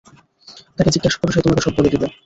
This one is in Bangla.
তাকে জিজ্ঞাসা কর, সে তোমাকে সব বলে দিবে।